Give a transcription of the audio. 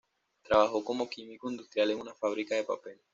Trabajó como químico industrial en una fábrica de papel.